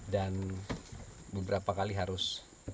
dan beberapa kali harus